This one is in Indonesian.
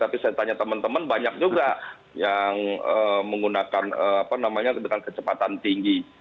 tapi saya tanya teman teman banyak juga yang menggunakan kecepatan tinggi